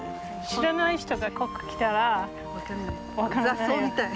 知らない人がここ来たら分からない。